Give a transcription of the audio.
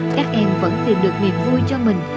các em vẫn tìm được niềm vui cho mình